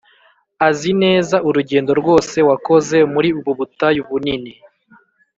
Azi neza urugendo rwose wakoze muri ubu butayu bunini.